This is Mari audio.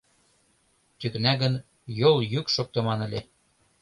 Тӱкна гын, йолйӱк шоктыман ыле.